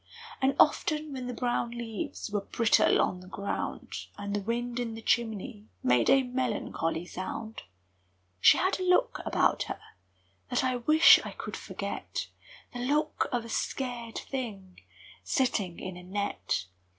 And often when the brown leaves Were brittle on the ground, And the wind in the chimney Made a melancholy sound, She had a look about her That I wish I could forget The look of a scared thing Sitting in a net!